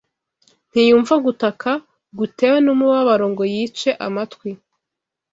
Ntiyumva gutaka gutewe n’umubabaro ngo yice amatwi